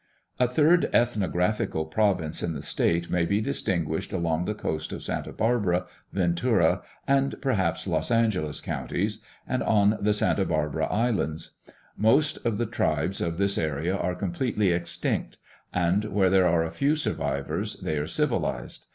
A third ethnographical province in the state may be distin guished along the coast of Santa Barbara, Ventura, and perhaps VOL. 2.] Kroeber. Types of Indian Culture in California. 99 Los Angeles counties, and on the Santa Barbara islands. Most of the tribes of this area are completely extinct; and where there are a few survivors they are civilized.